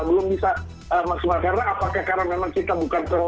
bantuan ini dapat direalisir karena sampai hari ini untuk mengerjakan dpan kita belum maksimal